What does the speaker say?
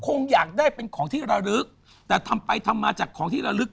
คงอยากได้เป็นของที่ระลึกแต่ทำไปทำมาจากของที่ระลึก